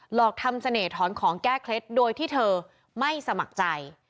หลอกทำเสน่หอนของแก้เคล็ดโดยที่เธอไม่สมัครใจ